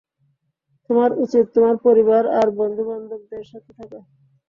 তোমার উচিৎ তোমার পরিবার আর বন্ধুবান্ধবদের সাথে থাকা।